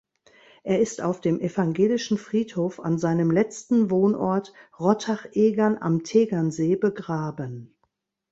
Er ist auf dem evangelischen Friedhof an seinem letzten Wohnort Rottach-Egern am Tegernsee begraben.